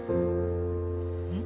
えっ？